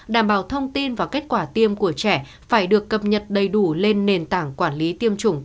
đảm bảo thông tin và kết quả tiêm của trẻ phải được cập nhật đầy đủ lên nền tảng quản lý tiêm chủng covid một mươi chín